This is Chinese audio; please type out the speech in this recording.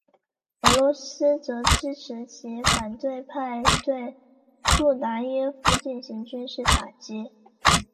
俄罗斯则支持其反对派对杜达耶夫进行军事打击。